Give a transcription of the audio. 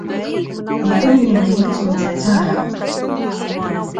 Uguni ņem līdz un dzēs ārā!